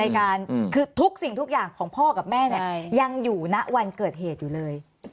คือทุกสิ่งทุกอย่างของพ่อกับแม่เนี่ยยังอยู่ณวันเกิดเหตุอยู่เลย